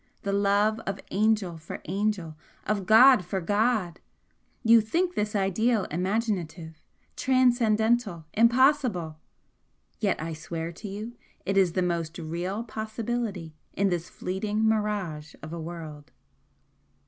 the love of angel for angel, of god for god! You think this ideal imaginative, transcendental impossible! yet I swear to you it is the most REAL possibility in this fleeting mirage of a world!"